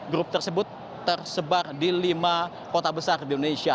grup tersebut tersebar di lima kota besar di indonesia